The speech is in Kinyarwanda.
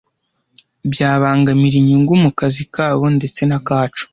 byabangamira inyungu mu kazi kabo ndetse nakacu